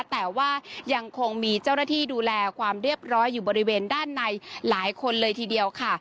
แต่ว่ายังคงมีเจ้าหน้าที่ดูแลความเรียบร้อยอยู่บริเวณด้านในหลายคนเลยทีเดียวค่ะ